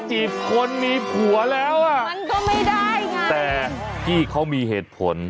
แต่พี่เขามีเหตุผล